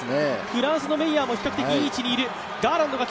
フランスのメイヤーも比較的いい位置にいる。